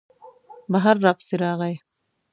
بهر را پسې راغی.